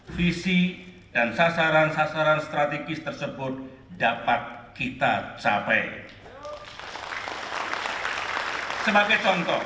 visi dan sasaran sasaran strategis tersebut dapat kita capai